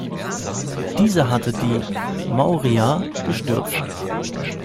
Dieser hatte die Maurya gestürzt.